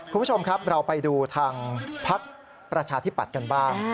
คุณผู้ชมครับเราไปดูทางพักประชาธิปัตย์กันบ้าง